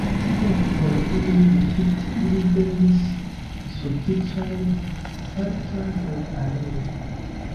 Tial por iom profiti ili vendis sufiĉan parton de areo.